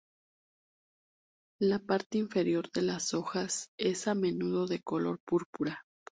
La parte inferior de las hojas es a menudo de color púrpura.